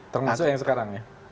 termasuk yang sekarang ya